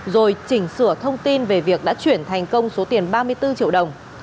rồi chỉnh sửa thông tin về việc đã chuyển thành công số tiền ba mươi bốn triệu đồng